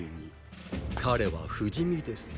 彼は不死身です。